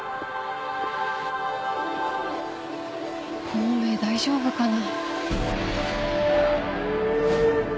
孔明大丈夫かな？